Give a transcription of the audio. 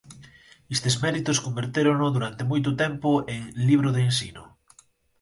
Estes méritos convertérono durante moito tempo en libro de ensino.